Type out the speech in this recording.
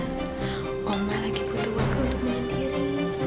mama lagi butuh waktu untuk mandiri